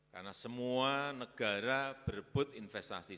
karena semua negara berebut investasi